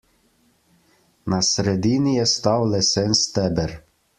Na sredini je stal lesen steber.